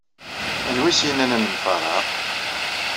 Anwa i as-innan ad nemfaraq?